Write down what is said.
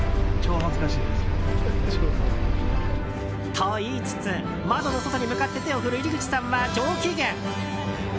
と言いつつ、窓の外に向かって手を振る、射り口さんは上機嫌。